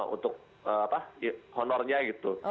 untuk honornya gitu